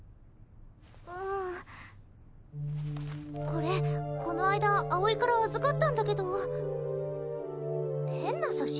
うんこれこの間葵から預かったんだけど変な写真？